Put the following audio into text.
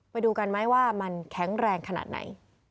ไปดูกันไหมว่ามันแข็งแรงขนาดไหน